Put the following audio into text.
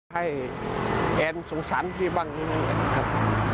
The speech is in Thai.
ให้แอนสงสัญพี่บ้างอย่างนี้ครับ